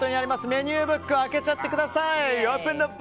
メニューブックを開けちゃってください！